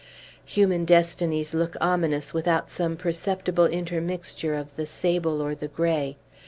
Human destinies look ominous without some perceptible intermixture of the sable or the gray.